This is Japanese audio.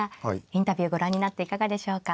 インタビューご覧になっていかがでしょうか。